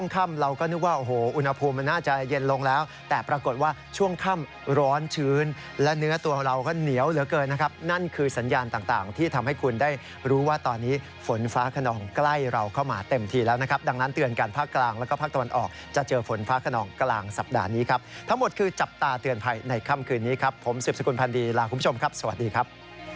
ค่ำร้อนชื้นและเนื้อตัวเราก็เหนียวเหลือเกินนะครับนั่นคือสัญญาณต่างที่ทำให้คุณได้รู้ว่าตอนนี้ฝนฟ้าคนองใกล้เราเข้ามาเต็มที่แล้วนะครับดังนั้นเตือนการพักกลางแล้วก็พักตอนออกจะเจอฝนฟ้าคนองกลางสัปดาห์นี้ครับทั้งหมดคือจับตาเตือนภัยในค่ำคืนนี้ครับผมเสียบสกุลพันธ์ดีลาคุณผ